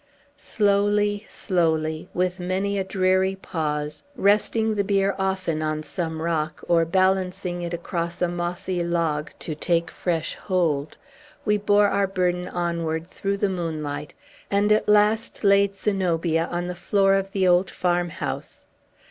Slowly, slowly, with many a dreary pause, resting the bier often on some rock or balancing it across a mossy log, to take fresh hold, we bore our burden onward through the moonlight, and at last laid Zenobia on the floor of the old farmhouse.